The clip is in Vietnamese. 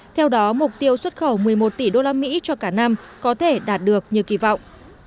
theo đó mục tiêu xuất khẩu một mươi một tỷ đô la mỹ cho cả năm có thể đạt được như kỳ vọng